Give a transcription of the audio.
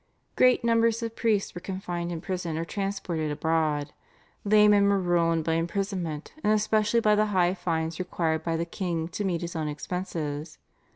Great numbers of priests were confined in prison or transported abroad. Laymen were ruined by imprisonment, and especially by the high fines required by the king to meet his own expenses.